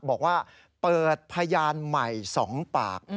บอกว่าเปิดพยานใหม่๒ปาก